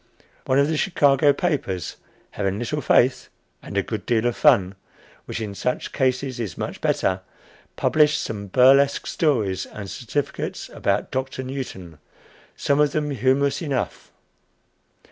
One of the Chicago papers, having little faith and a good deal of fun which in such cases is much better published some burlesque stories and certificates about "Doctor" Newton, some of them humorous enough.